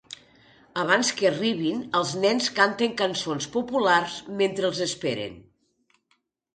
Abans que arribin, els nens canten cançons populars mentre els esperen.